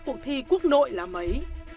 cuộc thi quốc nội là mấy